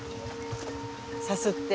さすって。